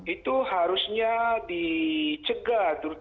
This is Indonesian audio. itu harusnya dicegah terutama oleh negara negara yang berpengaruh